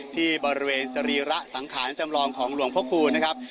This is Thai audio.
ที่บริเวณสรีระสังขารจำลองของหลวงพระคูณนะครับ